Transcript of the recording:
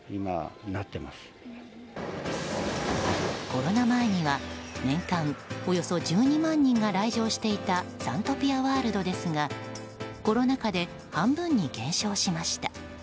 コロナ前には年間およそ１２万人が来場していたサントピアワールドですがコロナ禍で半分に減少しました。